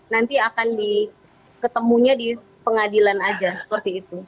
nanti akan diketemunya di pengadilan aja seperti itu